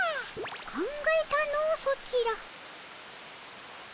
考えたのソチら。